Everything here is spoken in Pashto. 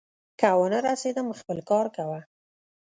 که ونه رسېدم، خپل کار کوه.